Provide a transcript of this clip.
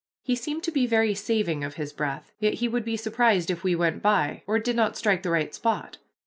He seemed to be very saving of his breath yet he would be surprised if we went by, or did not strike the right spot.